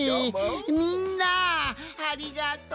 みんなありがとう！